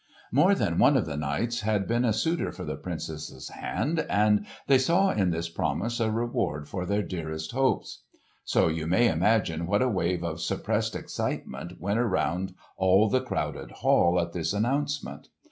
More than one of the knights had been a suitor for the Princess's hand, and they saw in this promise a reward for their dearest hopes. So you may imagine what a wave of suppressed excitement went around all the crowded hall at this announcement.